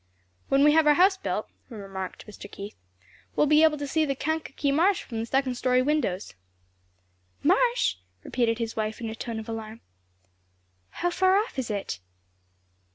"When we have our house built," remarked Mr. Keith, "we'll be able to see the Kankakee Marsh from the second story windows." "Marsh?" repeated his wife in a tone of alarm, "how far off is it?"